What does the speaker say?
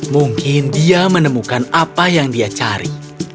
mungkin dia menemukan apa yang dia cari